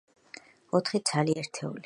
ოთხი ცალი ერთეული.